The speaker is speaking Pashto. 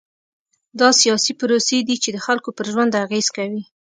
دا سیاسي پروسې دي چې د خلکو پر ژوند اغېز کوي.